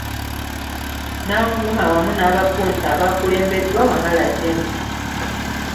Nanvuma wamu n’abapunta abaakulembeddwa Wamala James.